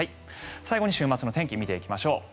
最後に週末の天気見ていきましょう。